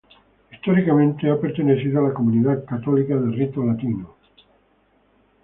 Históricamente, ha pertenecido a la comunidad católica de rito latino.